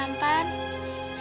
aku juga gak ngerti